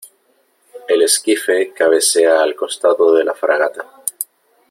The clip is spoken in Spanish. el esquife cabecea al costado de la fragata .